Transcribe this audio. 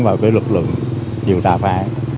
với lực lượng điều tra phá